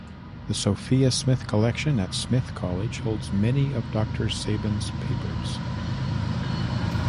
The Sophia Smith Collection at Smith College holds many of Doctor Sabin's papers.